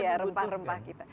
iya rempah rempah kita